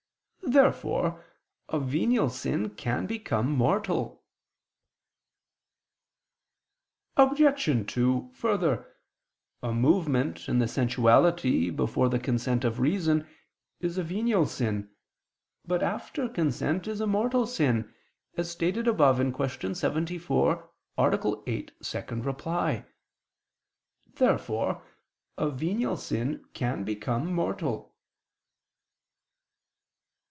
Therefore a venial sin can become mortal. Obj. 2: Further, a movement in the sensuality before the consent of reason, is a venial sin, but after consent, is a mortal sin, as stated above (Q. 74, A. 8, ad 2). Therefore a venial sin can become mortal.